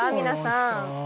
皆さん。